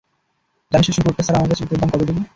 জানিস ওই শূকরটা ছাড়া আমার কাছে তোর দাম কতটুকু?